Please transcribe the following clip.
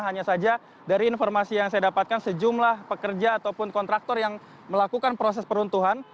hanya saja dari informasi yang saya dapatkan sejumlah pekerja ataupun kontraktor yang melakukan proses peruntuhan